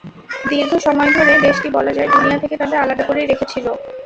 দীর্ঘ সময় ধরে দেশটি বলা যায় দুনিয়া থেকে তাদের আলাদা করেই রেখেছিল।